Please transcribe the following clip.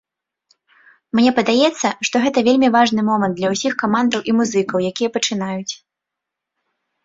Мне падаецца, што гэта вельмі важны момант для ўсіх камандаў і музыкаў, якія пачынаюць.